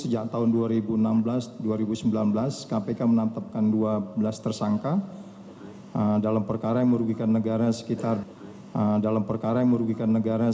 selama empat tahun terakhir ada enam ratus delapan tersangka yang kami tangani dalam berbagai modus perkara